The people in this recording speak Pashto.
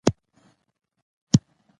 دوی به د خدای مرغان ګوري.